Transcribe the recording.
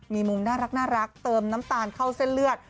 มีมุมน่ารักเติมน้ำตาลเข้าเส้นเลือด